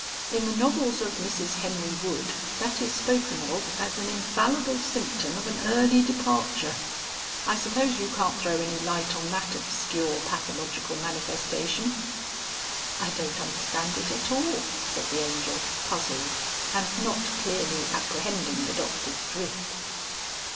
In the novels of Mrs Henry Wood that is spoken of as an infallible symptom of an early departure. I suppose you can't throw any light on that obscure pathological manifestation?" "I don't understand it at all," said the Angel, puzzled, and not clearly apprehending the Doctor's drift.